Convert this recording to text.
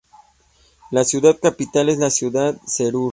La ciudad capital es la ciudad de Şərur.